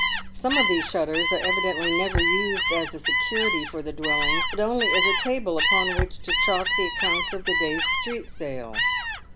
Some of these shutters are evidently never used as a security for the dwell ing, but only as a table upon which to chalk the accounts of the day's street sale.